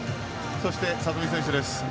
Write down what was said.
そして、里見選手です。